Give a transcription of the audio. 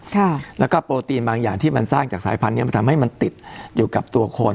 ค่ะแล้วก็โปรตีนบางอย่างที่มันสร้างจากสายพันธุ์เนี้ยมันทำให้มันติดอยู่กับตัวคน